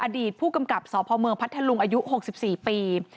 อดีตผู้กำกับสพเมืองพัทธลุงอายุ๖๔ปี